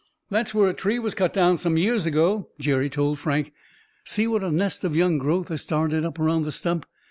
"There's where a tree was cut down some years ago," Jerry told Frank. "See what a nest of young growth has started up around the stump!